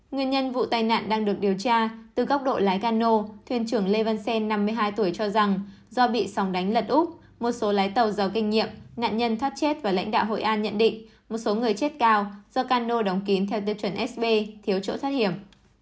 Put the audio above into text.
nguyên nhân vụ tai nạn đang được điều tra từ góc độ lái cano thuyền trưởng lê văn xen năm mươi hai tuổi cho rằng do bị sòng đánh lật úp một số lái tàu giàu kinh nghiệm nạn nhân thoát chết và lãnh đạo hội an nhận định một số người chết cao do cano đóng kín theo tiêu chuẩn sb thiếu chỗ thoát hiểm